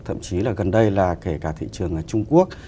thậm chí là gần đây là kể cả thị trường trung quốc